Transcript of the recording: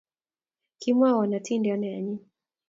Kimwaiwo atindiyot ne anyin